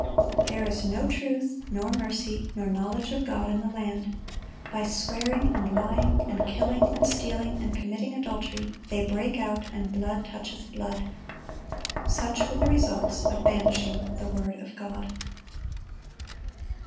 "There is no truth, nor mercy, nor knowledge of God in the land. By swearing, and lying, and killing, and stealing, and committing adultery, they break out, and blood toucheth blood."(97) Such were the results of banishing the word of God.